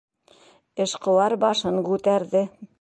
Эшҡыуар башын күтәрҙе.